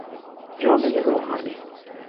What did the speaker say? جامهی روحانی